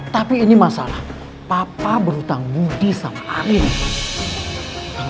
tapi ini masalah papa berhutang budi sama arin